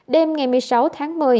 đêm ngày một mươi sáu tháng một mươi